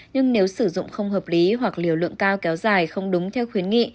nhưng nếu sử dụng không hợp lý hoặc liều lượng cao kéo dài không đúng theo khuyến nghị